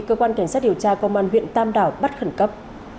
cơ quan cảnh sát điều tra công an huyện tam đảo bắt khẩn cấp